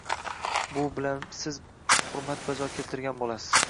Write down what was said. Bu bilan siz hurmat bajo keltirgan bo‘lasiz.